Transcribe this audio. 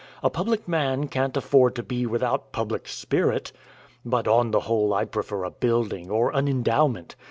A public man can't afford to be without public spirit. But on the whole I prefer a building, or an endowment.